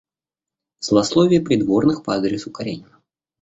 Злословие придворных по адресу Каренина.